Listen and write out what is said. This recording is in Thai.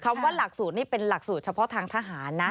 ว่าหลักสูตรนี่เป็นหลักสูตรเฉพาะทางทหารนะ